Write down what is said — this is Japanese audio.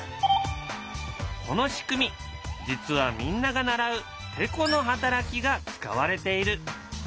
この仕組み実はみんなが習う「てこのはたらき」が使われている。